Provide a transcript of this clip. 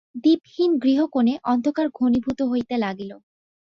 দীপহীন গৃহকোণে অন্ধকার ঘনীভূত হইতে লাগিল।